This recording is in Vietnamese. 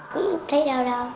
không thấy đau đâu